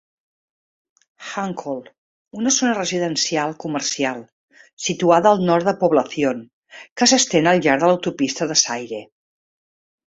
Hagkol: una zona residencial comercial, situada al nord de Poblacion, que s'estén al llarg de l'autopista de Sayre.